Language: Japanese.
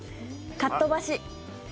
「かっとばし！！」。